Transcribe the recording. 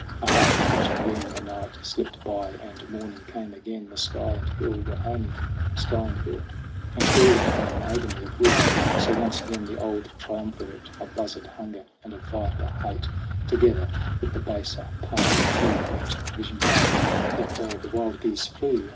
Ah, but when The night slipped by and morning came again, The sky and hill were only sky and hill And crawling but an agony of will. So once again the old triumvirate, A buzzard Hunger and a viper Hate Together with the baser part of Hugh, Went visionless. That day the wild geese flew